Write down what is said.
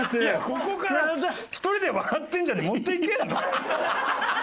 ここから「１人で笑ってんじゃねえ」に持っていけるの？